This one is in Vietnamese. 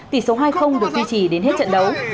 tỷ số hai được duy trì đến hết trận đấu